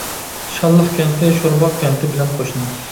شاللىق كەنتى، شورباغ كەنتى بىلەن قوشنا.